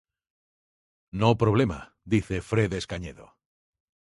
"No problema" dice Fredes Cañedo."